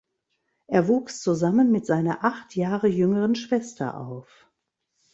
Er wuchs zusammen mit seiner acht Jahren jüngeren Schwester auf.